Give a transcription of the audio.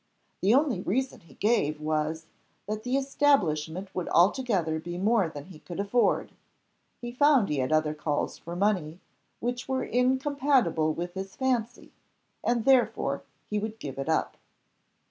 The only reason he gave was, that the establishment would altogether be more than he could afford, he found he had other calls for money, which were incompatible with his fancy, and therefore he would give it up.